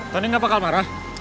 tony gak bakal marah